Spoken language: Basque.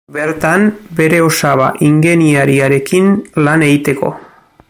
Bertan, bere osaba ingeniariarekin lan egiteko.